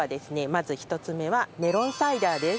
まず１つ目はメロンサイダーです。